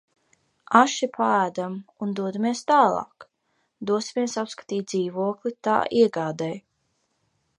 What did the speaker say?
Aši paēdam un dodamies tālāk - dosimies apskatīt dzīvokli tā iegādei.